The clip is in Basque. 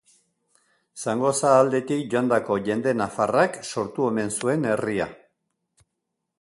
Zangoza aldetik joandako jende nafarrak sortu omen zuen herria.